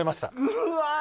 うわ。